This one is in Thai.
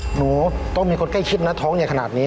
หนูต้องมีคนใกล้คิดนัดท้องอย่างขนาดนี้